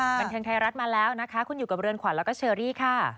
บันเทิงไทยรัฐมาแล้วนะคะคุณอยู่กับเรือนขวัญแล้วก็เชอรี่ค่ะ